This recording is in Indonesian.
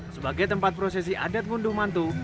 sebagai tempat prosesi adat ngunduh mantu